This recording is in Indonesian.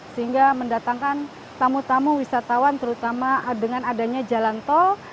sehingga mendatangkan tamu tamu wisatawan terutama dengan adanya jalan tol